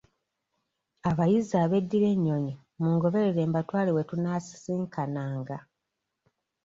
Abayizi ab'eddira ennyonyi mungoberere mbatwale we tunaasisinkanga.